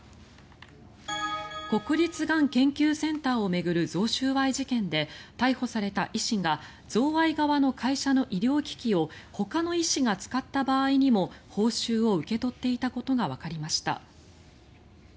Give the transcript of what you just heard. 国立がん研究センターを巡る贈収賄事件で逮捕された医師が贈賄側の会社の医療機器をほかの医師が使った場合にも報酬を受け取っていたことがわかりました。